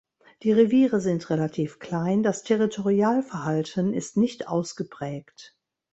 Die Reviere sind relativ klein, das Territorialverhalten ist nicht ausgeprägt.